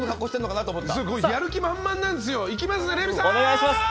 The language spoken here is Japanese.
やる気満々なんです、私。